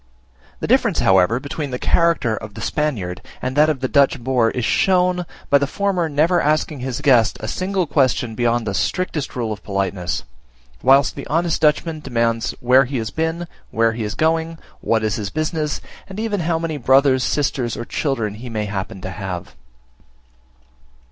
The difference, however, between the character of the Spaniard and that of the Dutch boer is shown, by the former never asking his guest a single question beyond the strictest rule of politeness, whilst the honest Dutchman demands where he has been, where he is going, what is his business, and even how many brothers sisters, or children he may happen to have.